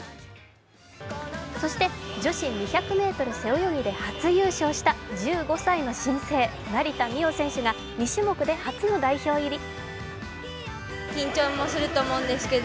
そして、女子２００ｍ背泳ぎで初優勝した１５歳の新星・成田実生選手が２種目で初の代表入り。